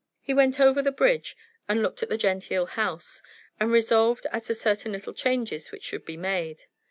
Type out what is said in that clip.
He went over the bridge and looked at the genteel house, and resolved as to certain little changes which should be made.